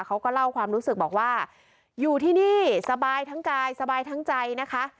เขาก็เล่าความรู้สึกบอกว่าอยู่ที่นี่สบายทั้งกายสบายทั้งใจนะคะ